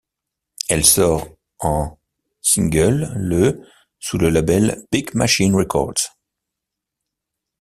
Elle sort en single le sous le label Big Machine Records.